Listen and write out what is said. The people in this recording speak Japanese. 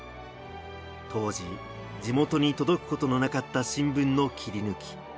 当時地元に届くことのなかった新聞の切り抜き。